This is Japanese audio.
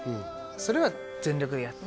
それは全力でやって」